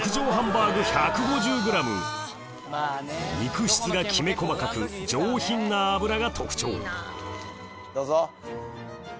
肉質がきめ細かく上品な脂が特徴どうぞ。